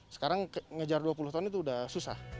sekarang ngejar dua puluh ton itu sudah susah